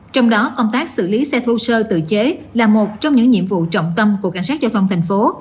trong đó công tác xử lý xe thô sơ tự chế là một trong những nhiệm vụ trọng tâm của cảnh sát giao thông thành phố